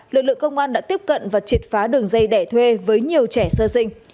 lực lượng công an đã tiếp cận và triệt phá đường dây đẻ thuê với nhiều trẻ sơ sinh